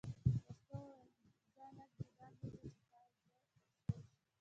مستو وویل ځه لږ دباندې ووځه چې تاو دې سوړ شي.